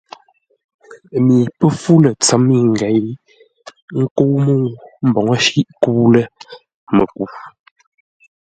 Mi pə́ fú lə̂ ntsə̌m yi ngěi ə́ nkə́u mə́u mboŋə́ shíʼ kə́u ləməku.